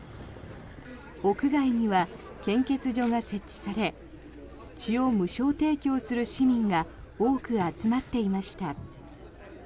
屋外には献血所が設置され血を無償提供する市民が多く集まっていました。